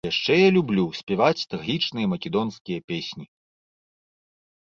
Яшчэ я люблю спяваць трагічныя македонскія песні.